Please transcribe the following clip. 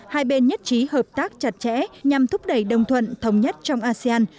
hai bên nhất trí hợp tác chặt chẽ nhằm thúc đẩy đồng thuận thống nhất trong asean